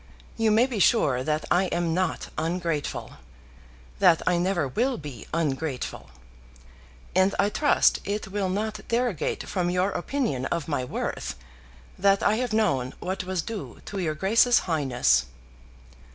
You may be sure that I am not ungrateful, that I never will be ungrateful. And I trust it will not derogate from your opinion of my worth, that I have known what was due to your Grace's highness.